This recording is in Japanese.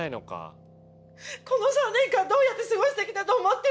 この３年間どうやって過ごしてきたと思ってるのよ